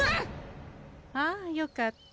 ああよかった。